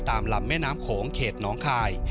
ลำแม่น้ำโขงเขตน้องคาย